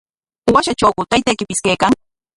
¿Washatrawku taytaykipis kaykan?